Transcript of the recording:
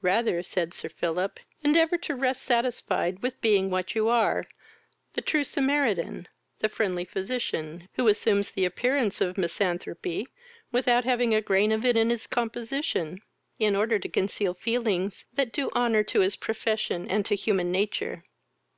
"Rather (said Sir Philip) endeavour to rest satisfied with being what you are, the true Samaritan, the friendly physician, who assumes the appearance of misanthropy, without having a grain of it in his composition." "In order to conceal feelings that do ho honour to his profession and to human nature."